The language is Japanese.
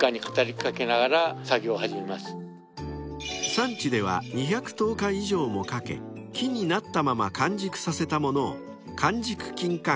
［産地では２１０日以上もかけ木になったまま完熟させたものを完熟きんかん